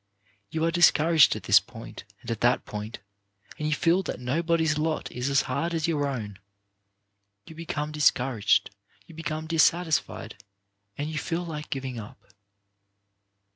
You are discouraged at this point and at that point, and you feel that nobody's lot is as hard as your own. You become discouraged, you become dissatisfied, and you feel like giving up.